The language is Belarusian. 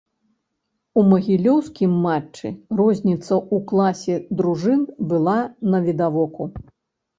У магілёўскім матчы розніца ў класе дружын была навідавоку.